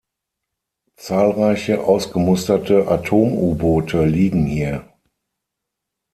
Zahlreiche ausgemusterte Atom-U-Boote liegen hier.